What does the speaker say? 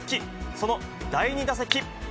その第２打席。